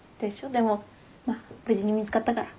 でもまあ無事に見つかったから。